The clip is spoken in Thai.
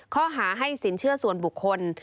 ข้อหาให้สินเชื่อส่วนบุคคล